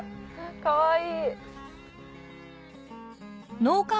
かわいい！